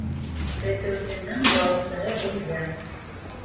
Көтөүсенең ялсыһы үлгән.